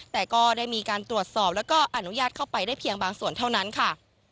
แต่ก็ได้มีการตรวจสอบแล้วก็อนุญาตเข้าไปได้เพียงบางส่วนเท่านั้นค่ะ